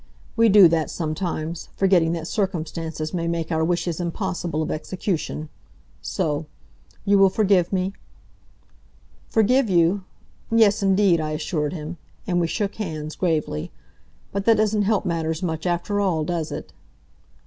We do that, sometimes, forgetting that circumstances may make our wishes impossible of execution. So. You will forgive me?" "Forgive you? Yes, indeed," I assured him. And we shook hands, gravely. "But that doesn't help matters much, after all, does it?"